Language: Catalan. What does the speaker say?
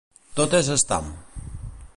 Tot és estam.